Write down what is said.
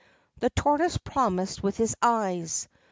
The tortoise promised with its eyes.